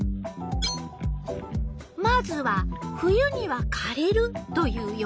まずは「冬にはかれる」という予想。